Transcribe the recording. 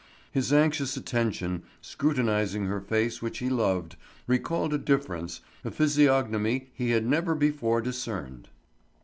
His anxious attention, scrutinizing her face which he loved, recalled a difference, a physiognomy he had never before discerned.